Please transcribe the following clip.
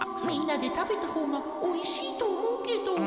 みんなでたべたほうがおいしいとおもうけど。